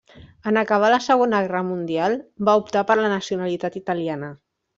En acabar la segona guerra mundial va optar per la nacionalitat italiana.